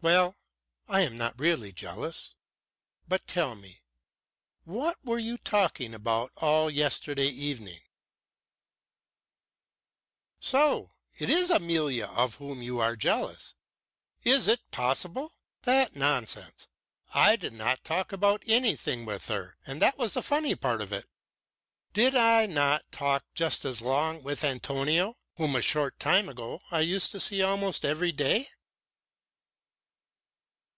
"Well, I am not really jealous. But tell me: What were you talking about all yesterday evening?" "So? It is Amalia of whom you are jealous? Is it possible? That nonsense? I did not talk about anything with her, and that was the funny part of it. Did I not talk just as long with Antonio, whom a short time ago I used to see almost every day?"